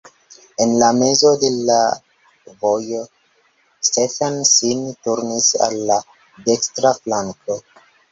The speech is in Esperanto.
En la mezo de la vojo Stetten sin turnis al la dekstra flanko.